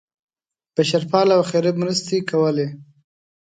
بشرپاله او خیریه مرستې کولې.